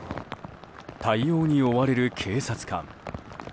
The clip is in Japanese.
対応に追われる警察官。